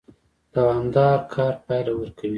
دوامدار کار پایله ورکوي